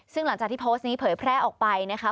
ซึ่งหลังจากที่โพสต์นี้เผยแพร่ออกไปนะคะ